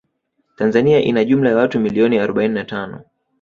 Tanzania ina jumla ya watu milioni arobaini na tano